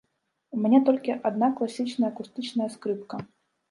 У мяне толькі адна класічная акустычная скрыпка.